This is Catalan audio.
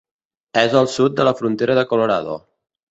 És al sud de la frontera de Colorado.